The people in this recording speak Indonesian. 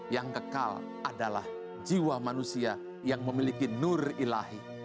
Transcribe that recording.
yang kekal adalah jiwa manusia yang memiliki nur ilahi